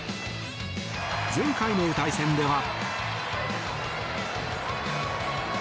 前回の対戦では。